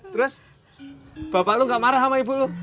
terus bapak lu gak marah sama ibu lo